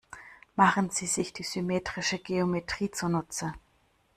Machen Sie sich die symmetrische Geometrie zunutze.